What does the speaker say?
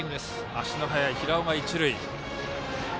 足の速い平尾が一塁。